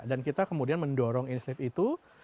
dan kita kemudian mendorong inisiatif itu